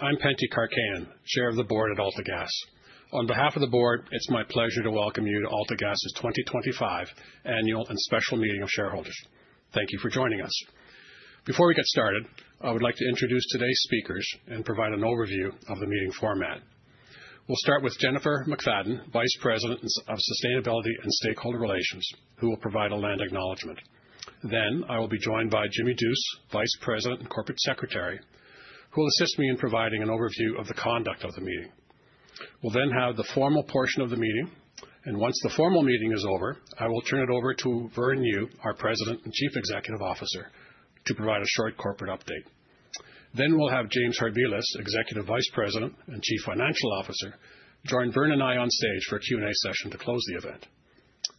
I'm Pentti Karkkainen, Chair of the Board at AltaGas. On behalf of the Board, it's my pleasure to welcome you to AltaGas's 2025 Annual and Special Meeting of Shareholders. Thank you for joining us. Before we get started, I would like to introduce today's speakers and provide an overview of the meeting format. We'll start with Jennifer McFadyen, Vice President of Sustainability and Stakeholder Relations, who will provide a land acknowledgment. Then I will be joined by Jimmi Duce, Vice President and Corporate Secretary, who will assist me in providing an overview of the conduct of the meeting. We'll then have the formal portion of the meeting, and once the formal meeting is over, I will turn it over to Vern Yu, our President and Chief Executive Officer, to provide a short corporate update. Then we'll have James Harbilas, Executive Vice President and Chief Financial Officer, join Vern and I on stage for a Q&A session to close the event.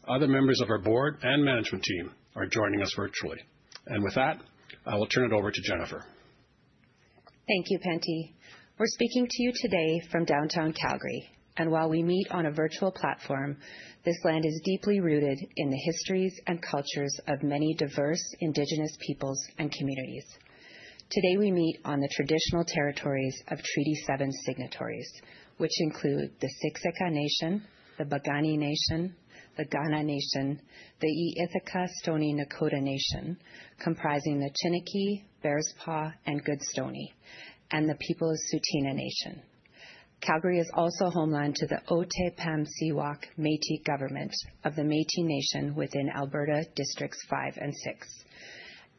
Other members of our Board and Management Team are joining us virtually. And with that, I will turn it over to Jennifer. Thank you, Pentti. We're speaking to you today from downtown Calgary, and while we meet on a virtual platform, this land is deeply rooted in the histories and cultures of many diverse Indigenous peoples and communities. Today we meet on the traditional territories of Treaty 7 signatories, which include the Siksika Nation, the Piikani Nation, the Kainai Nation, the Îethka Stoney Nakoda Nations, comprising the Chiniki, Bearspaw, and Goodstoney, and the Tsuut'ina Nation. Calgary is also homeland to the Otipemisiwak Métis Government of the Métis Nation within Alberta Districts 5 and 6.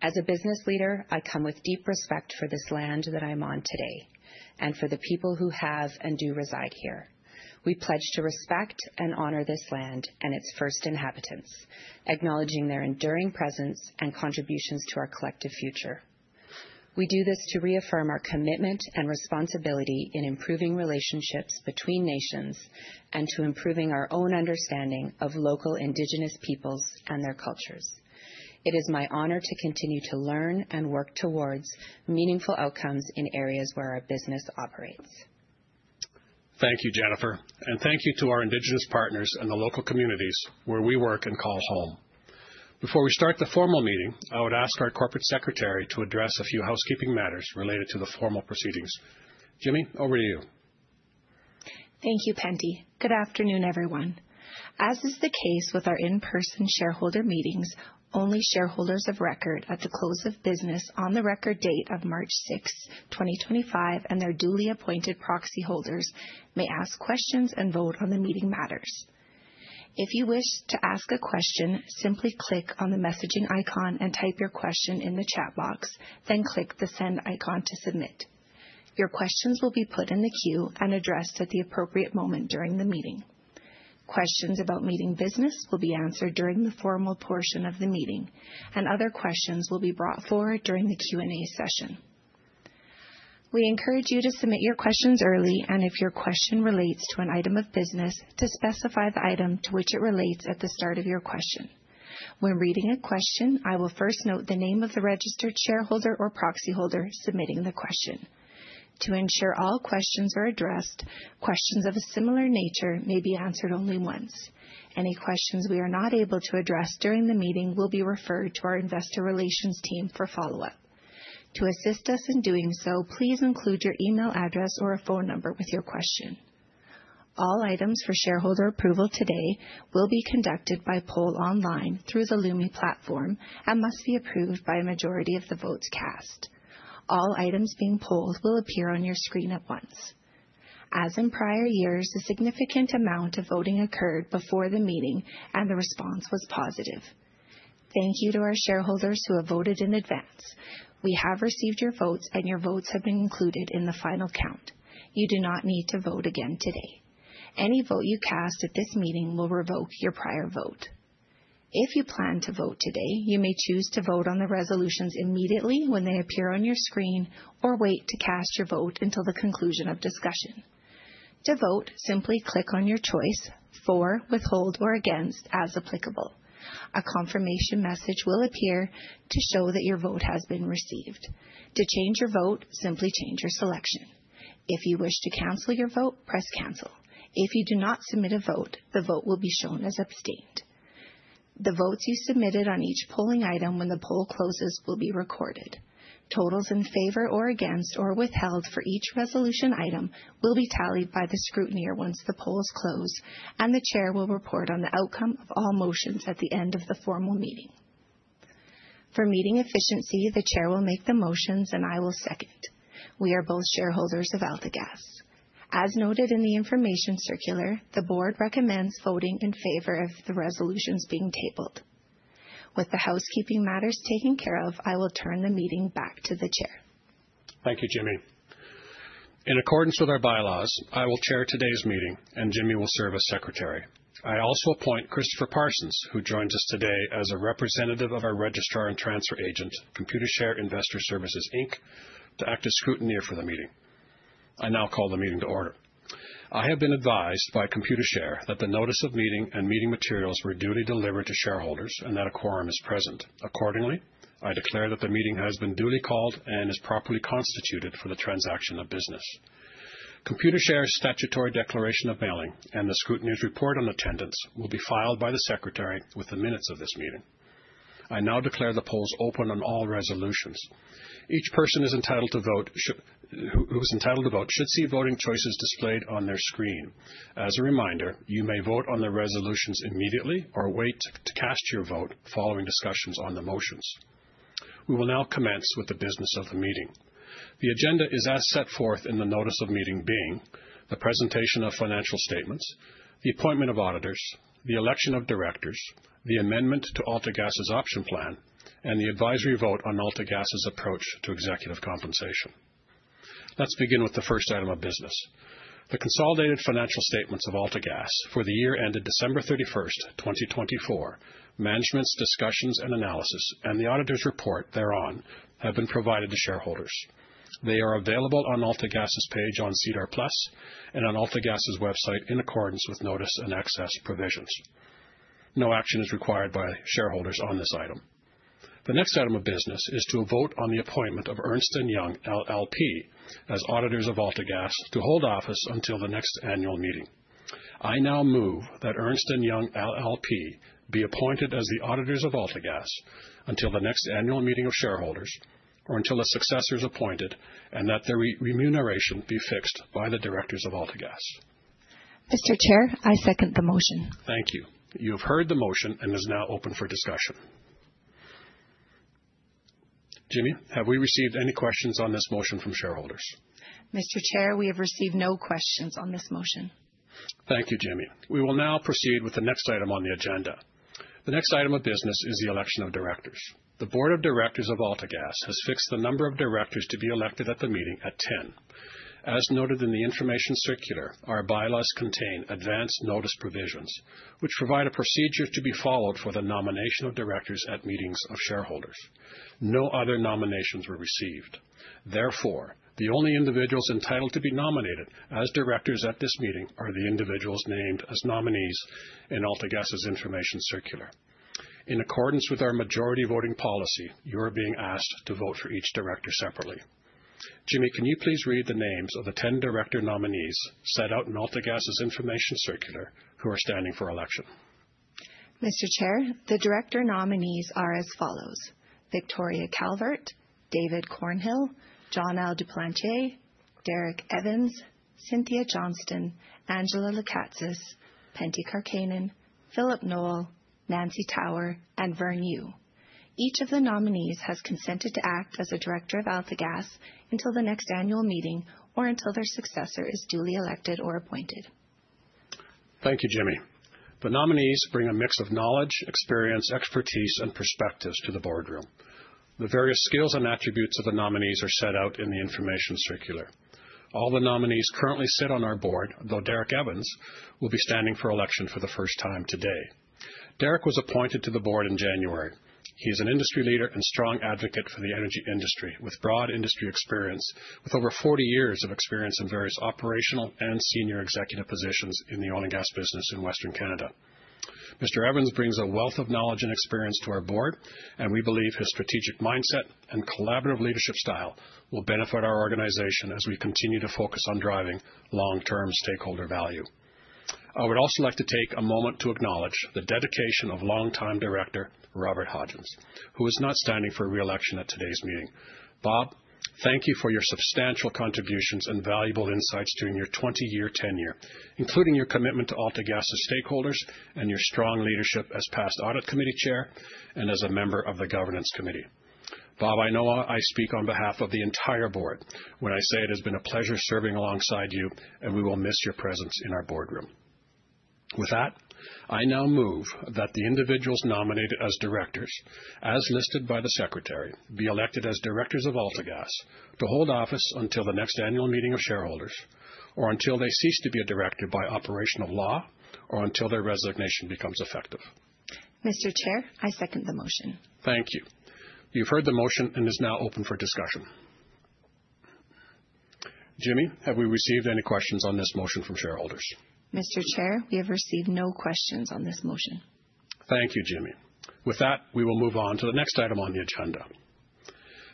As a business leader, I come with deep respect for this land that I'm on today, and for the people who have and do reside here. We pledge to respect and honor this land and its first inhabitants, acknowledging their enduring presence and contributions to our collective future. We do this to reaffirm our commitment and responsibility in improving relationships between nations and to improving our own understanding of local Indigenous peoples and their cultures. It is my honor to continue to learn and work towards meaningful outcomes in areas where our business operates. Thank you, Jennifer, and thank you to our Indigenous partners and the local communities where we work and call home. Before we start the formal meeting, I would ask our Corporate Secretary to address a few housekeeping matters related to the formal proceedings. Jimmi, over to you. Thank you, Pentti. Good afternoon, everyone. As is the case with our in-person shareholder meetings, only shareholders of record at the close of business on the record date of March 6, 2025, and their duly appointed proxy holders may ask questions and vote on the meeting matters. If you wish to ask a question, simply click on the messaging icon and type your question in the chat box, then click the send icon to submit. Your questions will be put in the queue and addressed at the appropriate moment during the meeting. Questions about meeting business will be answered during the formal portion of the meeting, and other questions will be brought forward during the Q&A session. We encourage you to submit your questions early, and if your question relates to an item of business, to specify the item to which it relates at the start of your question. When reading a question, I will first note the name of the registered shareholder or proxy holder submitting the question. To ensure all questions are addressed, questions of a similar nature may be answered only once. Any questions we are not able to address during the meeting will be referred to our Investor Relations Team for follow-up. To assist us in doing so, please include your email address or a phone number with your question. All items for shareholder approval today will be conducted by poll online through the Lumi platform and must be approved by a majority of the votes cast. All items being polled will appear on your screen at once. As in prior years, a significant amount of voting occurred before the meeting, and the response was positive. Thank you to our shareholders who have voted in advance. We have received your votes, and your votes have been included in the final count. You do not need to vote again today. Any vote you cast at this meeting will revoke your prior vote. If you plan to vote today, you may choose to vote on the resolutions immediately when they appear on your screen or wait to cast your vote until the conclusion of discussion. To vote, simply click on your choice: for, withhold, or against, as applicable. A confirmation message will appear to show that your vote has been received. To change your vote, simply change your selection. If you wish to cancel your vote, press cancel. If you do not submit a vote, the vote will be shown as abstained. The votes you submitted on each polling item when the poll closes will be recorded. Totals in favor or against or withheld for each resolution item will be tallied by the scrutineer once the polls close, and the Chair will report on the outcome of all motions at the end of the formal meeting. For meeting efficiency, the Chair will make the motions, and I will second. We are both shareholders of AltaGas. As noted in the Information Circular, the Board recommends voting in favor of the resolutions being tabled. With the housekeeping matters taken care of, I will turn the meeting back to the Chair. Thank you, Jimmi. In accordance with our bylaws, I will chair today's meeting, and Jimmi will serve as Secretary. I also appoint Christopher Parsons, who joins us today as a representative of our Registrar and Transfer Agent, Computershare Investor Services Inc., to act as scrutineer for the meeting. I now call the meeting to order. I have been advised by Computershare that the Notice of Meeting and meeting materials were duly delivered to shareholders and that a quorum is present. Accordingly, I declare that the meeting has been duly called and is properly constituted for the transaction of business. Computershare's statutory declaration of mailing and the scrutineer's report on attendance will be filed by the Secretary with the minutes of this meeting. I now declare the polls open on all resolutions. Each person who is entitled to vote should see voting choices displayed on their screen. As a reminder, you may vote on the resolutions immediately or wait to cast your vote following discussions on the motions. We will now commence with the business of the meeting. The agenda is as set forth in the Notice of Meeting being the presentation of financial statements, the appointment of auditors, the election of directors, the amendment to AltaGas's Option Plan, and the advisory vote on AltaGas's approach to executive compensation. Let's begin with the first item of business. The consolidated financial statements of AltaGas for the year ended December 31, 2024, Management's Discussion and Analysis, and the auditor's report thereon have been provided to shareholders. They are available on AltaGas's page on SEDAR+ and on AltaGas's website in accordance with Notice and Access provisions. No action is required by shareholders on this item. The next item of business is to vote on the appointment of Ernst & Young LLP as auditors of AltaGas to hold office until the next annual meeting. I now move that Ernst & Young LLP be appointed as the auditors of AltaGas until the next annual meeting of shareholders or until a successor is appointed and that their remuneration be fixed by the directors of AltaGas. Mr. Chair, I second the motion. Thank you. You have heard the motion and is now open for discussion. Jimmi, have we received any questions on this motion from shareholders? Mr. Chair, we have received no questions on this motion. Thank you, Jimmi. We will now proceed with the next item on the agenda. The next item of business is the election of directors. The Board of Directors of AltaGas has fixed the number of directors to be elected at the meeting at 10. As noted in the Information Circular, our bylaws contain advance notice provisions which provide a procedure to be followed for the nomination of directors at meetings of shareholders. No other nominations were received. Therefore, the only individuals entitled to be nominated as directors at this meeting are the individuals named as nominees in AltaGas's Information Circular. In accordance with our majority voting policy, you are being asked to vote for each director separately. Jimmi, can you please read the names of the 10 director nominees set out in AltaGas's Information Circular who are standing for election? Mr. Chair, the director nominees are as follows: Victoria Calvert, David Cornhill, Jon-Al Duplantier, Derek Evans, Cynthia Johnston, Angela Lekatsas, Pentti Karkkainen, Phillip Knoll, Nancy Tower, and Vern Yu. Each of the nominees has consented to act as a director of AltaGas until the next annual meeting or until their successor is duly elected or appointed. Thank you, Jimmi. The nominees bring a mix of knowledge, experience, expertise, and perspectives to the boardroom. The various skills and attributes of the nominees are set out in the Information Circular. All the nominees currently sit on our Board, though Derek Evans will be standing for election for the first time today. Derek was appointed to the Board in January. He is an industry leader and strong advocate for the energy industry with broad industry experience, with over 40 years of experience in various operational and senior executive positions in the oil and gas business in Western Canada. Mr. Evans brings a wealth of knowledge and experience to our Board, and we believe his strategic mindset and collaborative leadership style will benefit our organization as we continue to focus on driving long-term stakeholder value. I would also like to take a moment to acknowledge the dedication of longtime director Robert Hodgins, who is not standing for reelection at today's meeting. Bob, thank you for your substantial contributions and valuable insights during your 20-year tenure, including your commitment to AltaGas's stakeholders and your strong leadership as past Audit Committee chair and as a member of the Governance Committee. Bob, I know I speak on behalf of the entire Board when I say it has been a pleasure serving alongside you, and we will miss your presence in our boardroom. With that, I now move that the individuals nominated as directors, as listed by the Secretary, be elected as directors of AltaGas to hold office until the next annual meeting of shareholders or until they cease to be a director by operation of law or until their resignation becomes effective. Mr. Chair, I second the motion. Thank you. You've heard the motion and it is now open for discussion. Jimmi, have we received any questions on this motion from shareholders? Mr. Chair, we have received no questions on this motion. Thank you, Jimmi. With that, we will move on to the next item on the agenda.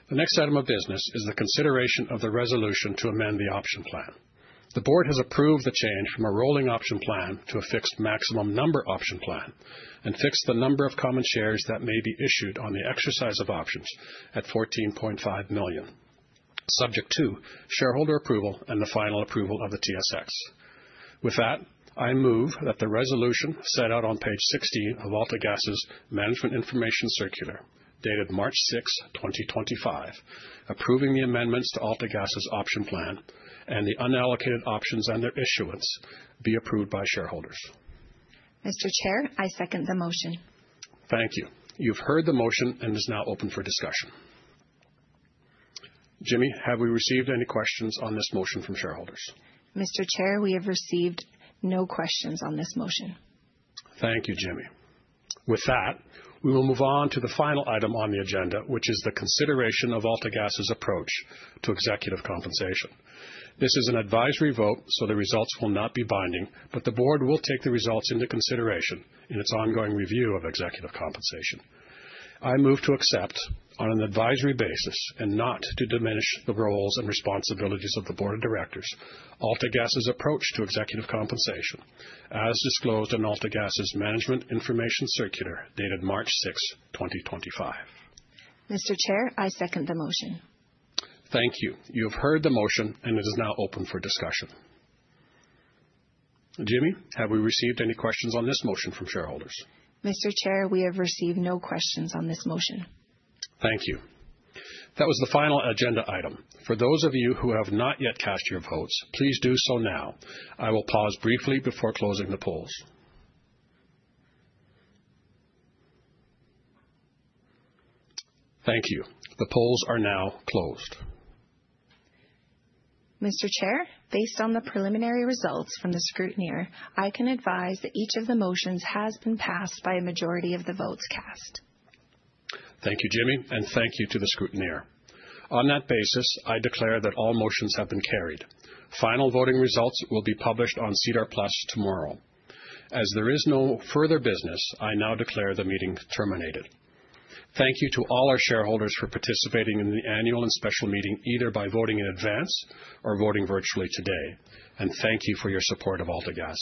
The next item of business is the consideration of the resolution to amend the Option Plan. The Board has approved the change from a rolling Option Plan to a fixed maximum number Option Plan and fixed the number of common shares that may be issued on the exercise of options at 14.5 million. Subject to shareholder approval and the final approval of the TSX. With that, I move that the resolution set out on page 16 of AltaGas's management Information Circular dated March 6, 2025, approving the amendments to AltaGas's Option Plan and the unallocated options and their issuance be approved by shareholders. Mr. Chair, I second the motion. Thank you. You've heard the motion and is now open for discussion. Jimmi, have we received any questions on this motion from shareholders? Mr. Chair, we have received no questions on this motion. Thank you, Jimmi. With that, we will move on to the final item on the agenda, which is the consideration of AltaGas's approach to executive compensation. This is an advisory vote, so the results will not be binding, but the Board will take the results into consideration in its ongoing review of executive compensation. I move to accept on an advisory basis and not to diminish the roles and responsibilities of the Board of Directors AltaGas's approach to executive compensation as disclosed in AltaGas's Management Information Circular dated March 6, 2025. Mr. Chair, I second the motion. Thank you. You have heard the motion and it is now open for discussion. Jimmi, have we received any questions on this motion from shareholders? Mr. Chair, we have received no questions on this motion. Thank you. That was the final agenda item. For those of you who have not yet cast your votes, please do so now. I will pause briefly before closing the polls. Thank you. The polls are now closed. Mr. Chair, based on the preliminary results from the scrutineer, I can advise that each of the motions has been passed by a majority of the votes cast. Thank you, Jimmi, and thank you to the scrutineer. On that basis, I declare that all motions have been carried. Final voting results will be published on SEDAR+ tomorrow. As there is no further business, I now declare the meeting terminated. Thank you to all our shareholders for participating in the annual and special meeting either by voting in advance or voting virtually today, and thank you for your support of AltaGas.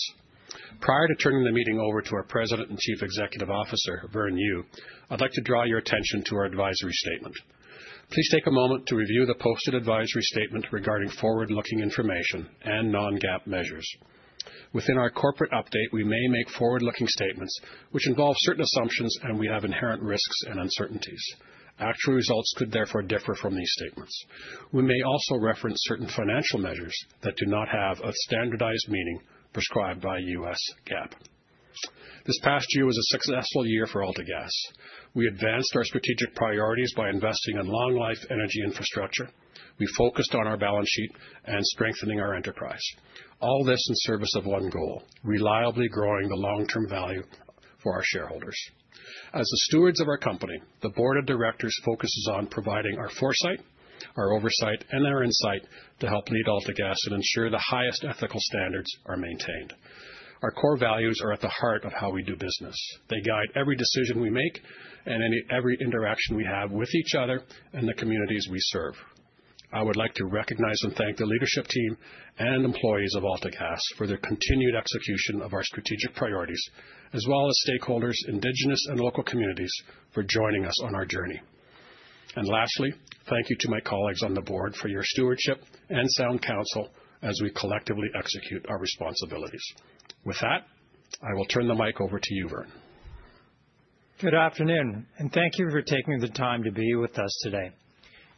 Prior to turning the meeting over to our President and Chief Executive Officer, Vern Yu, I'd like to draw your attention to our advisory statement. Please take a moment to review the posted advisory statement regarding forward-looking information and non-GAAP measures. Within our corporate update, we may make forward-looking statements which involve certain assumptions and we have inherent risks and uncertainties. Actual results could therefore differ from these statements. We may also reference certain financial measures that do not have a standardized meaning prescribed by U.S. GAAP. This past year was a successful year for AltaGas. We advanced our strategic priorities by investing in long-life energy infrastructure. We focused on our balance sheet and strengthening our enterprise. All this in service of one goal: reliably growing the long-term value for our shareholders. As the stewards of our company, the Board of Directors focuses on providing our foresight, our oversight, and our insight to help lead AltaGas and ensure the highest ethical standards are maintained. Our core values are at the heart of how we do business. They guide every decision we make and every interaction we have with each other and the communities we serve. I would like to recognize and thank the leadership team and employees of AltaGas for their continued execution of our strategic priorities, as well as stakeholders, Indigenous, and local communities for joining us on our journey, and lastly, thank you to my colleagues on the Board for your stewardship and sound counsel as we collectively execute our responsibilities. With that, I will turn the mic over to you, Vern. Good afternoon, and thank you for taking the time to be with us today.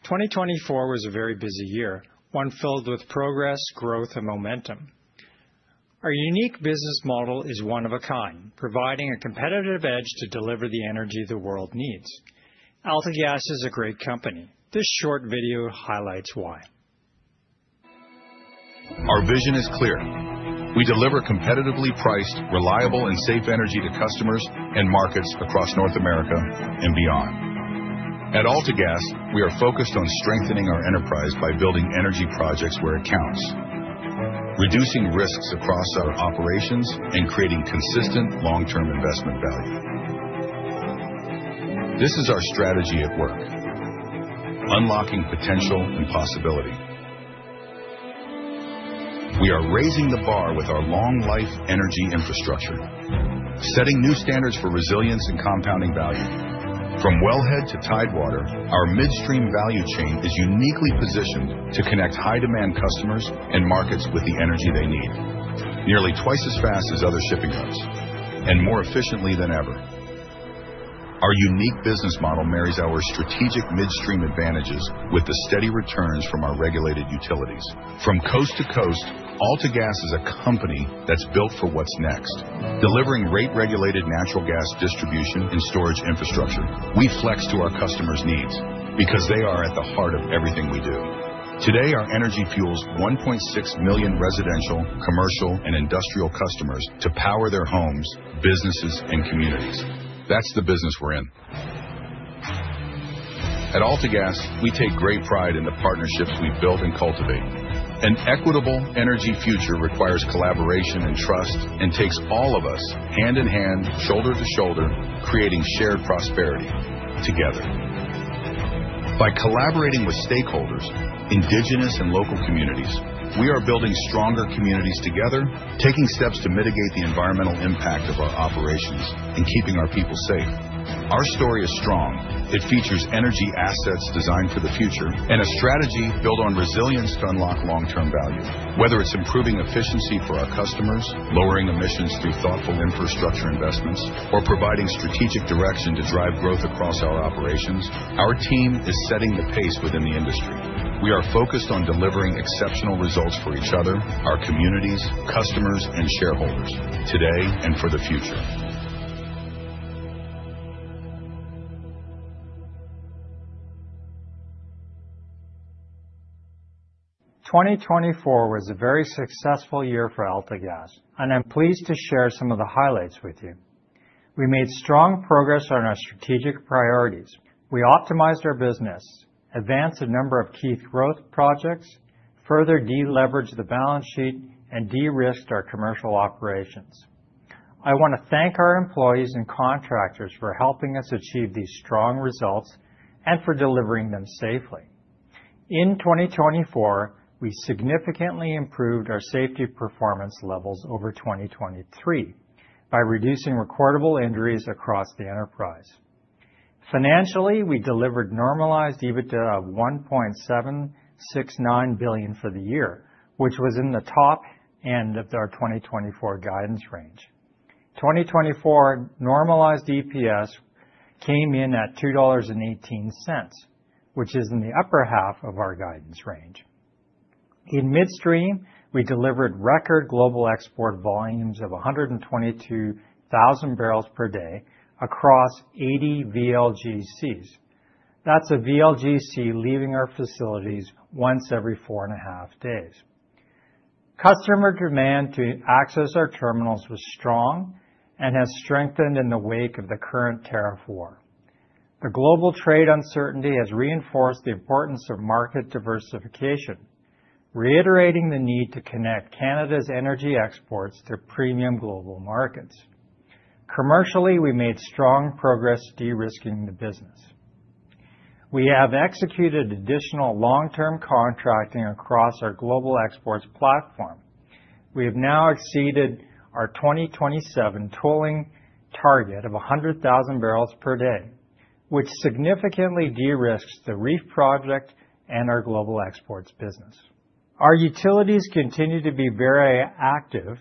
2024 was a very busy year, one filled with progress, growth, and momentum. Our unique business model is one of a kind, providing a competitive edge to deliver the energy the world needs. AltaGas is a great company. This short video highlights why. Our vision is clear. We deliver competitively priced, reliable, and safe energy to customers and markets across North America and beyond. At AltaGas, we are focused on strengthening our enterprise by building energy projects where it counts, reducing risks across our operations, and creating consistent long-term investment value. This is our strategy at work: unlocking potential and possibility. We are raising the bar with our long-life energy infrastructure, setting new standards for resilience and compounding value. From wellhead to tidewater, our midstream value chain is uniquely positioned to connect high-demand customers and markets with the energy they need nearly twice as fast as other shipping roads and more efficiently than ever. Our unique business model marries our strategic midstream advantages with the steady returns from our regulated utilities. From coast to coast, AltaGas is a company that's built for what's next. Delivering rate-regulated natural gas distribution and storage infrastructure, we flex to our customers' needs because they are at the heart of everything we do. Today, our energy fuels 1.6 million residential, commercial, and industrial customers to power their homes, businesses, and communities. That's the business we're in. At AltaGas, we take great pride in the partnerships we build and cultivate. An equitable energy future requires collaboration and trust and takes all of us hand in hand, shoulder to shoulder, creating shared prosperity together. By collaborating with stakeholders, Indigenous, and local communities, we are building stronger communities together, taking steps to mitigate the environmental impact of our operations and keeping our people safe. Our story is strong. It features energy assets designed for the future and a strategy built on resilience to unlock long-term value. Whether it's improving efficiency for our customers, lowering emissions through thoughtful infrastructure investments, or providing strategic direction to drive growth across our operations, our team is setting the pace within the industry. We are focused on delivering exceptional results for each other, our communities, customers, and shareholders today and for the future. 2024 was a very successful year for AltaGas, and I'm pleased to share some of the highlights with you. We made strong progress on our strategic priorities. We optimized our business, advanced a number of key growth projects, further de-leveraged the balance sheet, and de-risked our commercial operations. I want to thank our employees and contractors for helping us achieve these strong results and for delivering them safely. In 2024, we significantly improved our safety performance levels over 2023 by reducing recordable injuries across the enterprise. Financially, we delivered normalized EBITDA of 1.769 billion for the year, which was in the top end of our 2024 guidance range. 2024 normalized EPS came in at 2.18 dollars, which is in the upper half of our guidance range. In midstream, we delivered record global export volumes of 122,000 barrels per day across 80 VLGCs. That's a VLGC leaving our facilities once every four and a half days. Customer demand to access our terminals was strong and has strengthened in the wake of the current tariff war. The global trade uncertainty has reinforced the importance of market diversification, reiterating the need to connect Canada's energy exports to premium global markets. Commercially, we made strong progress de-risking the business. We have executed additional long-term contracting across our global exports platform. We have now exceeded our 2027 tolling target of 100,000 barrels per day, which significantly de-risked the REEF project and our global exports business. Our utilities continue to be very active,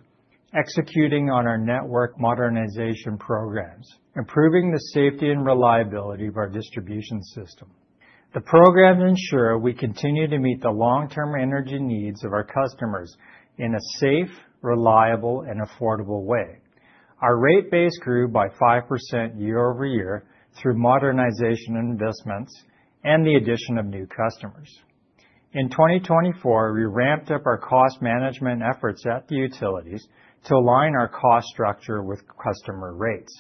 executing on our network modernization programs, improving the safety and reliability of our distribution system. The programs ensure we continue to meet the long-term energy needs of our customers in a safe, reliable, and affordable way. Our rate base grew by 5% year over year through modernization investments and the addition of new customers. In 2024, we ramped up our cost management efforts at the utilities to align our cost structure with customer rates.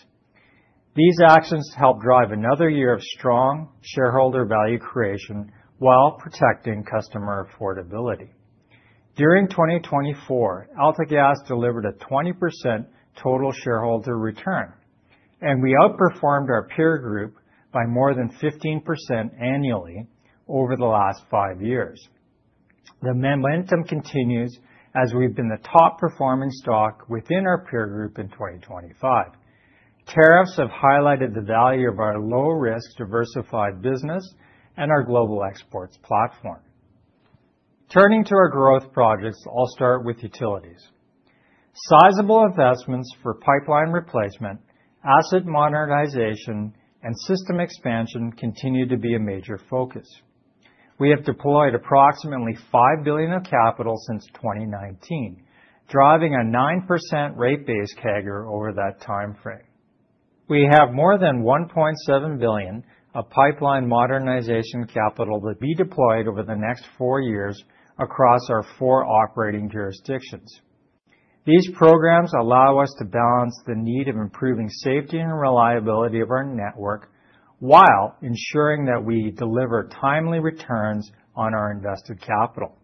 These actions helped drive another year of strong shareholder value creation while protecting customer affordability. During 2024, AltaGas delivered a 20% total shareholder return, and we outperformed our peer group by more than 15% annually over the last five years. The momentum continues as we've been the top-performing stock within our peer group in 2025. Tariffs have highlighted the value of our low-risk diversified business and our global exports platform. Turning to our growth projects, I'll start with utilities. Sizable investments for pipeline replacement, asset modernization, and system expansion continue to be a major focus. We have deployed approximately 5 billion of capital since 2019, driving a 9% rate-based CAGR over that timeframe. We have more than 1.7 billion of pipeline modernization capital to be deployed over the next four years across our four operating jurisdictions. These programs allow us to balance the need of improving safety and reliability of our network while ensuring that we deliver timely returns on our invested capital.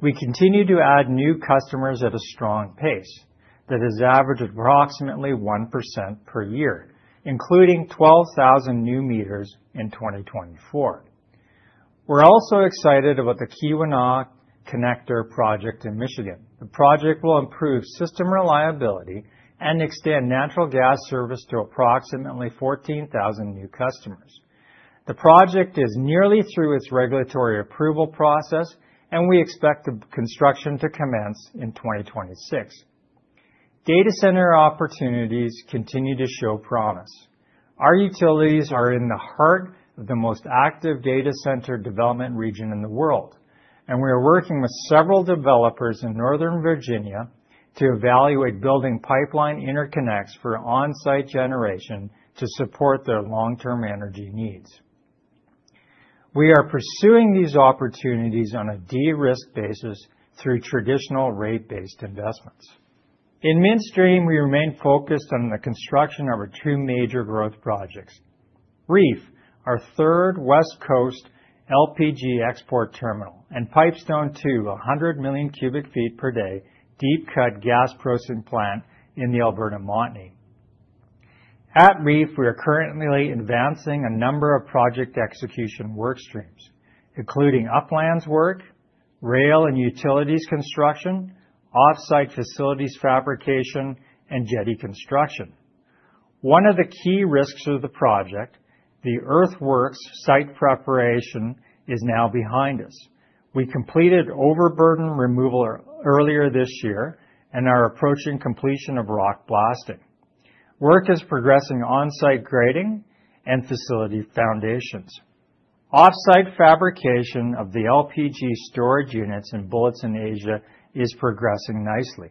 We continue to add new customers at a strong pace that has averaged approximately 1% per year, including 12,000 new meters in 2024. We're also excited about the Keweenaw Connector project in Michigan. The project will improve system reliability and extend natural gas service to approximately 14,000 new customers. The project is nearly through its regulatory approval process, and we expect the construction to commence in 2026. Data center opportunities continue to show promise. Our utilities are in the heart of the most active data center development region in the world, and we are working with several developers in Northern Virginia to evaluate building pipeline interconnects for on-site generation to support their long-term energy needs. We are pursuing these opportunities on a de-risk basis through traditional rate-based investments. In midstream, we remain focused on the construction of our two major growth projects: REEF, our third West Coast LPG export terminal, and Pipestone II, a 100 million cu ft per day deep-cut gas processing plant in the Alberta Montney. At REEF, we are currently advancing a number of project execution work streams, including uplands work, rail and utilities construction, off-site facilities fabrication, and jetty construction. One of the key risks of the project, the earthworks site preparation, is now behind us. We completed overburden removal earlier this year and are approaching completion of rock blasting. Work is progressing on-site grading and facility foundations. Off-site fabrication of the LPG storage units and bullets in Asia is progressing nicely,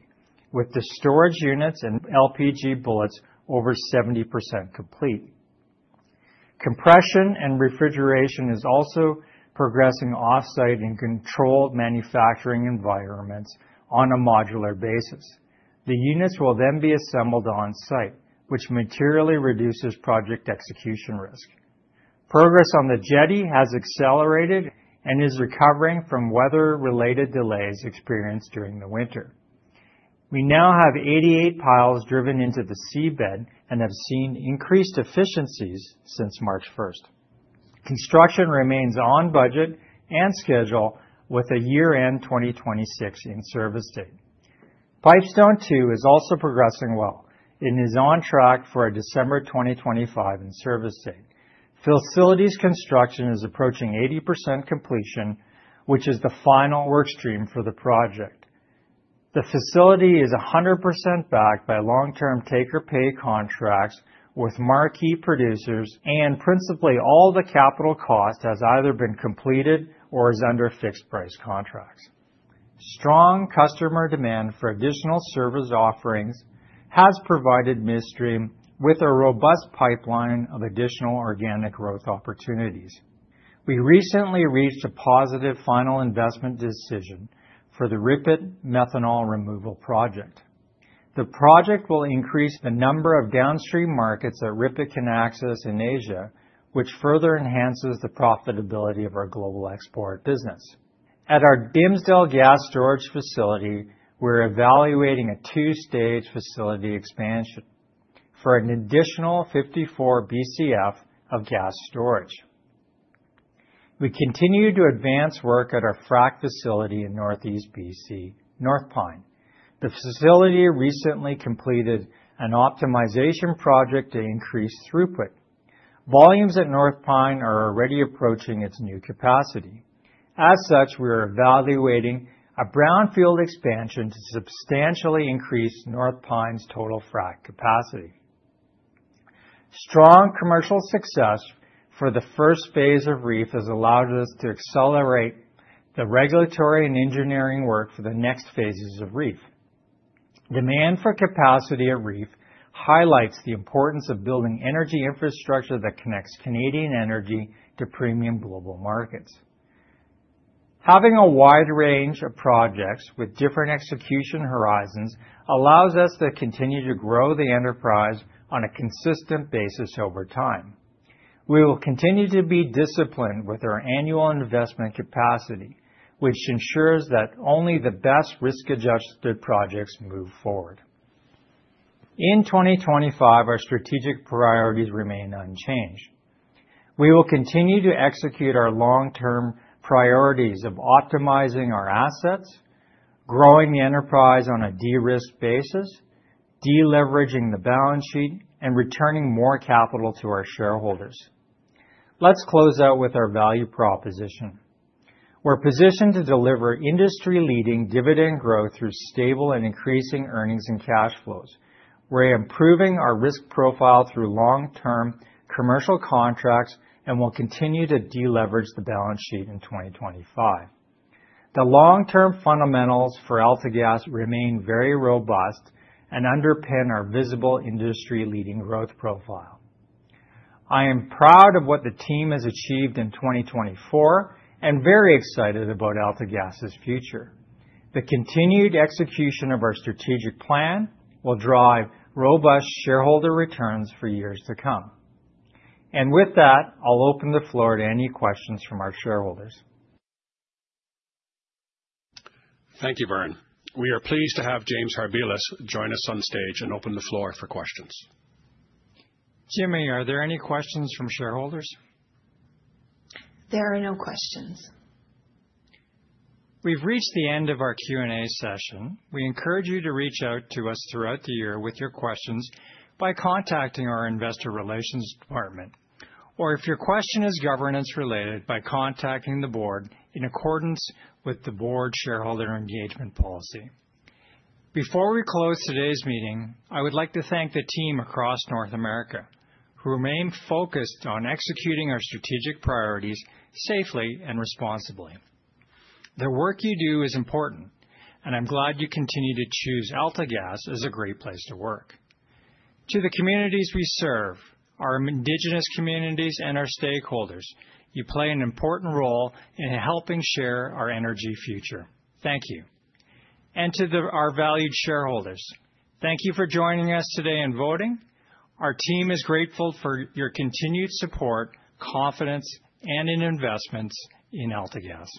with the storage units and LPG bullets over 70% complete. Compression and refrigeration is also progressing off-site in controlled manufacturing environments on a modular basis. The units will then be assembled on-site, which materially reduces project execution risk. Progress on the jetty has accelerated and is recovering from weather-related delays experienced during the winter. We now have 88 piles driven into the seabed and have seen increased efficiencies since March 1st. Construction remains on budget and schedule, with a year-end 2026 in-service date. Pipestone II is also progressing well. It is on track for a December 2025 in-service date. Facilities construction is approaching 80% completion, which is the final work stream for the project. The facility is 100% backed by long-term take-or-pay contracts with marquee producers, and principally all the capital cost has either been completed or is under fixed-price contracts. Strong customer demand for additional service offerings has provided midstream with a robust pipeline of additional organic growth opportunities. We recently reached a positive final investment decision for the RIPET Methanol Removal Project. The project will increase the number of downstream markets that RIPET can access in Asia, which further enhances the profitability of our global export business. At our Dimsdale Gas Storage Facility, we're evaluating a two-stage facility expansion for an additional 54 BCF of gas storage. We continue to advance work at our fractionation facility in Northeast BC, North Pine. The facility recently completed an optimization project to increase throughput. Volumes at North Pine are already approaching its new capacity. As such, we are evaluating a brownfield expansion to substantially increase North Pine's total fractionation capacity. Strong commercial success for the first phase of REEF has allowed us to accelerate the regulatory and engineering work for the next phases of REEF. Demand for capacity at REEF highlights the importance of building energy infrastructure that connects Canadian energy to premium global markets. Having a wide range of projects with different execution horizons allows us to continue to grow the enterprise on a consistent basis over time. We will continue to be disciplined with our annual investment capacity, which ensures that only the best risk-adjusted projects move forward. In 2025, our strategic priorities remain unchanged. We will continue to execute our long-term priorities of optimizing our assets, growing the enterprise on a de-risk basis, de-leveraging the balance sheet, and returning more capital to our shareholders. Let's close out with our value proposition. We're positioned to deliver industry-leading dividend growth through stable and increasing earnings and cash flows. We're improving our risk profile through long-term commercial contracts and will continue to de-leverage the balance sheet in 2025. The long-term fundamentals for AltaGas remain very robust and underpin our visible industry-leading growth profile. I am proud of what the team has achieved in 2024 and very excited about AltaGas's future. The continued execution of our strategic plan will drive robust shareholder returns for years to come, and with that, I'll open the floor to any questions from our shareholders. Thank you, Vern. We are pleased to have James Harbilas join us on stage and open the floor for questions. Jimmi, are there any questions from shareholders? There are no questions. We've reached the end of our Q&A session. We encourage you to reach out to us throughout the year with your questions by contacting our Investor Relations Department, or if your question is governance-related, by contacting the Board in accordance with the Board Shareholder Engagement Policy. Before we close today's meeting, I would like to thank the team across North America who remain focused on executing our strategic priorities safely and responsibly. The work you do is important, and I'm glad you continue to choose AltaGas as a great place to work. To the communities we serve, our indigenous communities, and our stakeholders, you play an important role in helping share our energy future. Thank you, and to our valued shareholders, thank you for joining us today and voting. Our team is grateful for your continued support, confidence, and investments in AltaGas.